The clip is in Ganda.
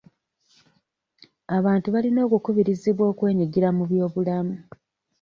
Abantu balina okukubirizibwa okwenyigira mu by'obulamu.